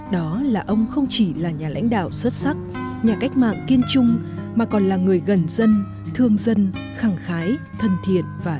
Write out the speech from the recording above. đó là ông không chỉ là nhà lãnh đạo xuất sắc nhà cách mạng kiên trung mà còn là người gần dân thương dân khẳng khái thân thiệt và